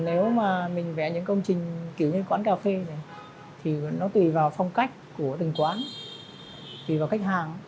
nếu mà mình vẽ những công trình kiểu như quán cà phê này thì nó tùy vào phong cách của từng quán tùy vào khách hàng